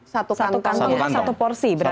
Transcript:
satu kantong ya satu porsi berarti